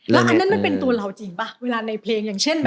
แล้วอันนั้นมันเป็นตัวเราจริงป่ะเวลาในเพลงอย่างเช่นแบบ